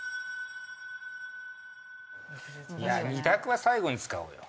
いや２択は最後に使おうよ